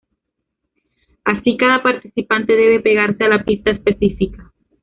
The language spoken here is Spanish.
Así cada participante debe pegarse a la pista específica.